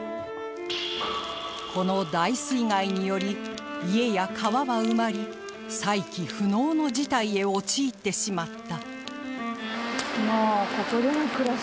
この大水害により家や川は埋まり再起不能の事態へ陥ってしまった